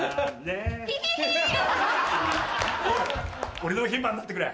俺の牝馬になってくれ。